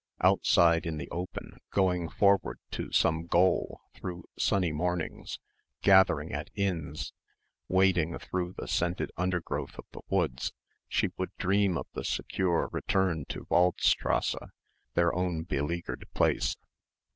Outside in the open, going forward to some goal through sunny mornings, gathering at inns, wading through the scented undergrowth of the woods, she would dream of the secure return to Waldstrasse, their own beleaguered place.